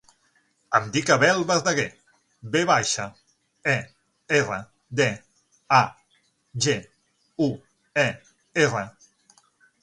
Em dic Abel Verdaguer: ve baixa, e, erra, de, a, ge, u, e, erra.